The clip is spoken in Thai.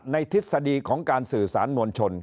ทฤษฎีของการสื่อสารมวลชน